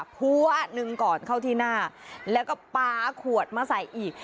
พัวหนึ่งก่อนเข้าที่หน้าแล้วก็ปลาขวดมาใส่อีก